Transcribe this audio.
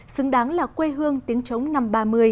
xứng đáng là quê hương tiếng chống năm ba mươi